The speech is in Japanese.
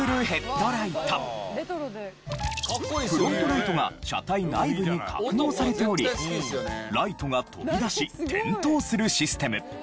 フロントライトが車体内部に格納されておりライトが飛び出し点灯するシステム。